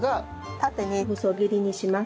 縦に細切りにします。